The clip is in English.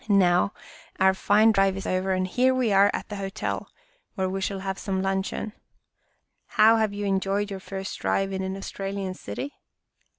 Now, our fine drive is over and here we are at the hotel, where we shall have some luncheon. How have you enjoyed your first drive in an Australian city?